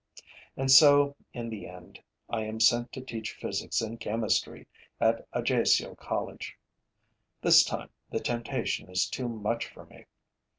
And so, in the end, I am sent to teach physics and chemistry at Ajaccio College. This time, the temptation is too much for me.